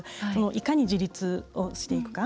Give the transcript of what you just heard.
いかに自立をしていくか。